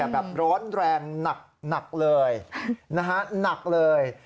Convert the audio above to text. แบบร้อนแรงหนักเลยหนักเลย